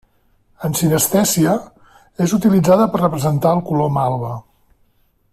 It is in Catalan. En sinestèsia és utilitzada per representar el color malva.